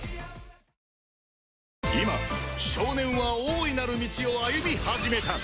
今少年は大いなる道を歩み始めた